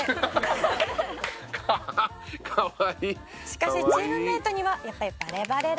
「しかしチームメートにはやっぱりバレバレだったようです」